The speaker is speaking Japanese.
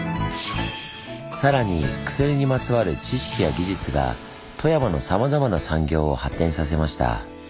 さらに薬にまつわる知識や技術が富山のさまざまな産業を発展させました。